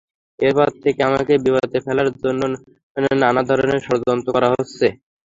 এরপর থেকে আমাকে বিপদে ফেলার জন্য নানা ধরনের ষড়যন্ত্র করা হচ্ছে।